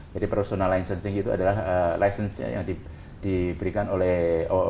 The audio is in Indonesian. jadi personal licensing itu adalah license yang diberikan oleh ooi